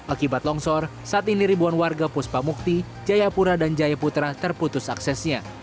akibat longsor saat ini ribuan warga puspa mukti jayapura dan jayaputra terputus aksesnya